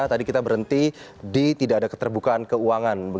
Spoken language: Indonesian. jadi kita berhenti di tidak ada keterbukaan keuangan